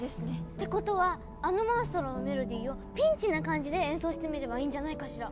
ことはあのモンストロのメロディーをピンチな感じで演奏してみればいいんじゃないかしら。